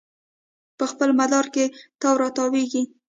په خپل مدار کې تاو راتاویږي